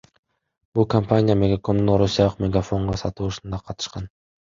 Бул компания Мегакомдун орусиялык Мегафонго сатылышында катышкан.